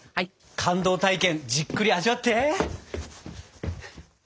感動体験じっくり味わって！